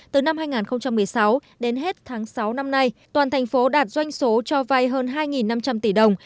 từ năm hai nghìn một mươi sáu đến hết tháng sáu năm nay toàn thành phố đạt doanh số cho vay hơn hai năm trăm linh tỷ đồng